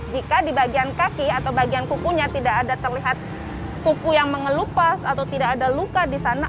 jika di bagian kaki atau bagian kukunya tidak ada terlihat kuku yang mengelupas atau tidak ada luka di sana